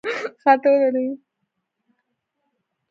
ارزانه نرخ د خرڅلاو حجم لوړوي.